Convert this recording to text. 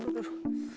aduh aduh aduh